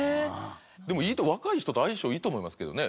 でも若い人と相性いいと思いますけどね。